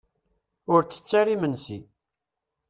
Ur ttett ara imensi.